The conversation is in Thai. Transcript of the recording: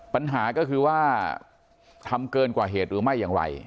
ปัญหาก็คือว่าทำเกินกว่าเหตุหรือไม่อย่างไร